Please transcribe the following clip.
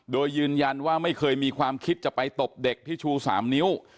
โดยยืนยันว่าไม่เคยมีความคิดจะไปตบเด็กที่ชู๓นิ้ว